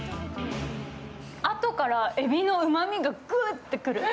あとからエビのうまみがグッとくる。